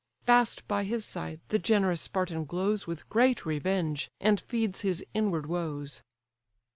Fast by his side the generous Spartan glows With great revenge, and feeds his inward woes.